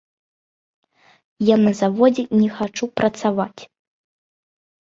Я на заводзе не хачу працаваць.